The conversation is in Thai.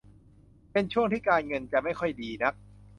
เป็นช่วงที่การเงินจะไม่ค่อยดีนัก